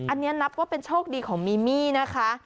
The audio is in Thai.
อันนี้นับว่าเป็นโชคดีของมีมี่นะคะ